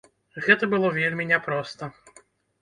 Гэта было вельмі няпроста.